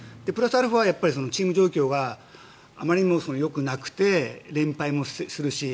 アルファ、チーム状況があまりにもよくなくて連敗もするし。